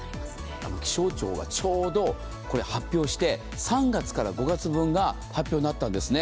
気象庁がちょうど、これ発表して３月から５月分が発表になったんですね。